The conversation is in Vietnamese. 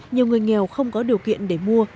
nhiều người nghèo không có điều kiện để mua